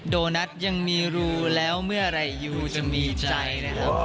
โดนัทยังมีรูแล้วเมื่อไหร่ยูจะมีใจนะครับ